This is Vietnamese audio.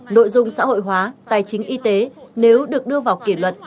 nội dung xã hội hóa tài chính y tế nếu được đưa vào kỷ luật